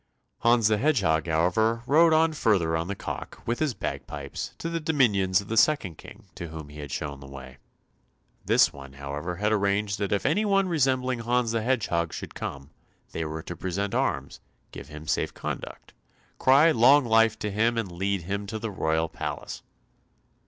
Hans the Hedgehog, however, rode on further on the cock, with his bagpipes, to the dominions of the second King to whom he had shown the way. This one, however, had arranged that if any one resembling Hans the Hedgehog should come, they were to present arms, give him safe conduct, cry long life to him, and lead him to the royal palace.